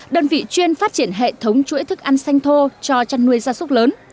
đơn vị chuyên phát triển hệ thống chuỗi thức ăn xanh thô cho chăn nuôi gia súc lớn